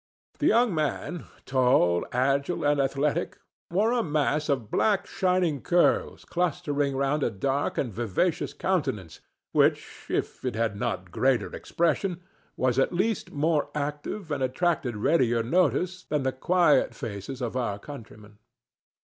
The young man, tall, agile and athletic, wore a mass of black shining curls clustering round a dark and vivacious countenance which, if it had not greater expression, was at least more active and attracted readier notice, than the quiet faces of our countrymen.